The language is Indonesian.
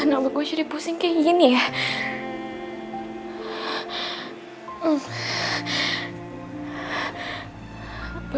nama gue jadi pusing kayak gini ya